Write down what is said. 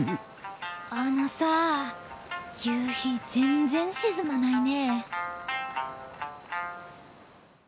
あのさ夕日全然沈まないね。